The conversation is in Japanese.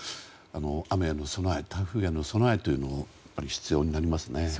雨への備え、台風への備えが必要になりますね。